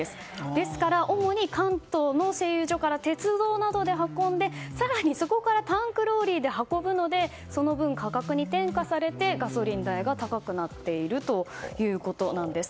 ですから、主に関東の製油所から鉄道などで運んで更に、そこからタンクローリーで運ぶのでその分、価格に転嫁されてガソリン代が高くなっているということなんです。